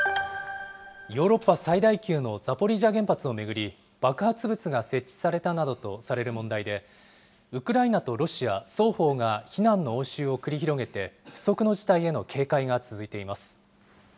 ヨーロッパ最大級のザポリージャ原発を巡り、爆発物が設置されたなどとされる問題で、ウクライナとロシア双方が非難の応酬を繰り広げて、不測の事態への警戒が続いています。